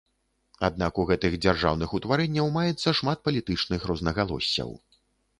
Аднак у гэтых дзяржаўных утварэнняў маецца шмат палітычных рознагалоссяў.